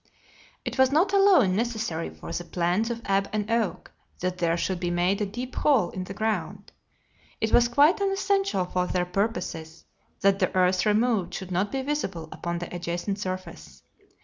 It was not alone necessary for the plans of Ab and Oak that there should be made a deep hole in the ground. It was quite as essential for their purposes that the earth removed should not be visible upon the adjacent surface.